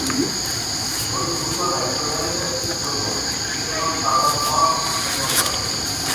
ঘনীভূত hydrohalic acid দ্রবণ দৃশ্যমান সাদা ধোঁয়া উৎপন্ন করে।